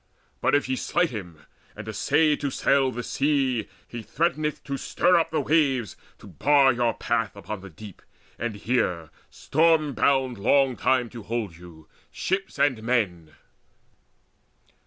But if ye slight him, and essay to sail The sea, he threateneth to stir up the waves To bar your path upon the deep, and here Storm bound long time to hold you, ships and men."